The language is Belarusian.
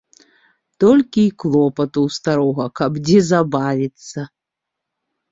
Толькі й клопату ў старога каб дзе забавіцца.